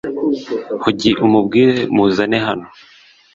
Hogi umubwire muzane hano